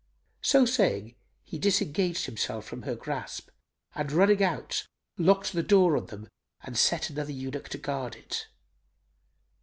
'" So saying, he disengaged himself from her grasp and running out, locked the door on them and set another eunuch to guard it.